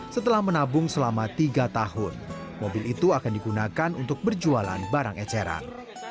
setelah menabung selama tiga tahun mobil itu akan digunakan untuk berjualan barang eceran